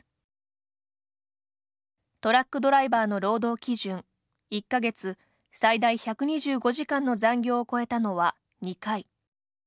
トラックドライバーの労働基準「１か月最大１２５時間の残業」を超えたのは２回。